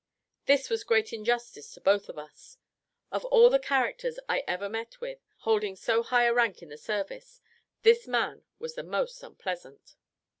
This was great injustice to both of us. Of all the characters I ever met with, holding so high a rank in the service, this man was the most unpleasant.